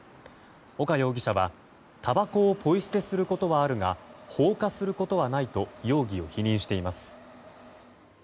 岡容疑者は、たばこをポイ捨てすることはあるが放火することはないと容疑を否認しています。